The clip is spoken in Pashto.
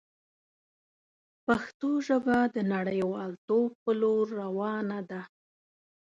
پښتو ژبه د نړیوالتوب په لور روانه ده.